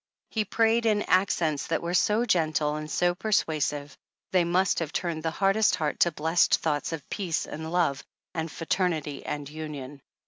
He prayed in accents that were so gentle and so persuasive, they must have turned the hardest heart to blessed thoughts of peace and love and fraternity and union.